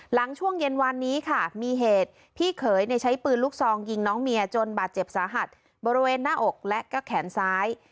หลังช่วงเย็นวันนี้ค่ะมีเหตุพี่เขยใช้ปืนลูกซองยิงน้องเมียจนบาดเจ็บสาหัสบริเวณหน้าอกและก็แขนซ้าย